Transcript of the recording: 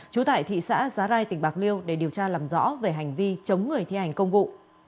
trú tại thị xã giá rai tỉnh bạc liêu để điều tra làm rõ về hành vi chống người thi hành công vụ